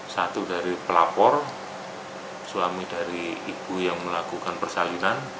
satu dari pelapor suami dari ibu yang melakukan persalinan